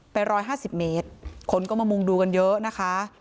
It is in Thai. ไปร้อยห้าสิบเมตรคนก็มามุงดูกันเยอะนะคะ